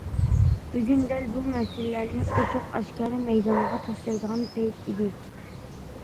بۈگۈن دەل بۇ مەسىلىلەرنى ئوچۇق-ئاشكارا مەيدانغا تاشلايدىغان پەيت ئىدى.